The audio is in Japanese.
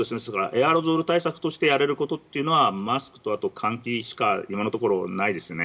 エアロゾル対策としてやれることというのはマスクと換気しか今のところはないです。